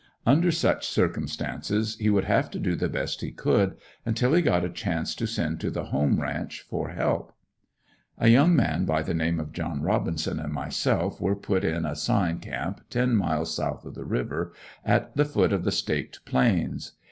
Under such circumstances he would have to do the best he could until he got a chance to send to the "home ranch" for help. A young man by the name of John Robinson and myself were put in a Sign camp ten miles south of the river, at the foot of the Staked Plains.